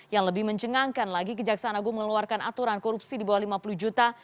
yang lebih mencengangkan lagi kejaksaan agung mengeluarkan aturan korupsi di bawah lima puluh juta